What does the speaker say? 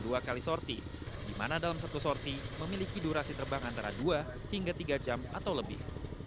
dua kali sorti di mana dalam satu sorti memiliki durasi terbang antara dua hingga tiga jam atau lebih